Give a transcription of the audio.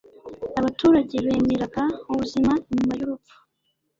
Abaturage bemeraga ubuzima nyuma y'urupfu.